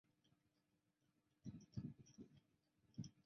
沟岸希蛛为球蛛科希蛛属的动物。